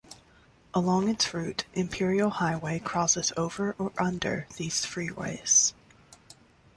Along its route, Imperial Highway crosses over or under these freeways.